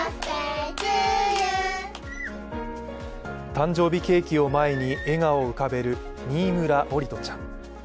誕生日ケーキを前に笑顔を浮かべる新村桜利斗ちゃんちゃん。